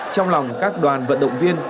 trong lòng các đoàn vận động viên